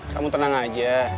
kamu tenang aja